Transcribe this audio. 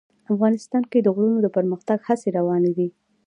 افغانستان کې د غرونه د پرمختګ هڅې روانې دي.